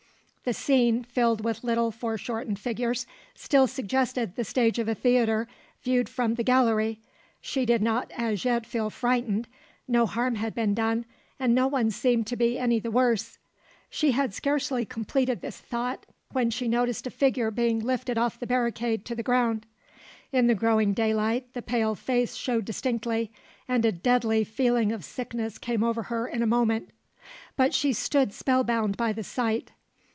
The scene, filled with little foreshortened figures, still suggested the stage of a theatre viewed from the gallery. She did not as yet feel frightened; no harm had been done, and no one seemed to be any the worse. She had scarcely completed this thought when she noticed a figure being lifted off the barricade to the ground. In the growing daylight the pale face showed distinctly, and a deadly feeling of sickness came over her in a moment; but she stood spell bound by the sight.